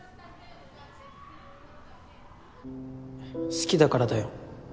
好きだからだよ。